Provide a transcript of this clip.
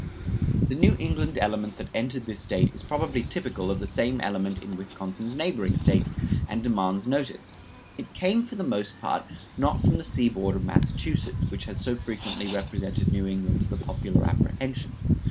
The New England element that entered this State is probably typical of the same element in Wisconsin's neighboring States, and demands notice. It came for the most part, not from the seaboard of Massachusetts, which has so frequently represented New England to the popular apprehension.